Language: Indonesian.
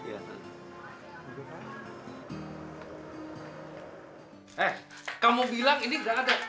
eh kamu bilang ini tidak ada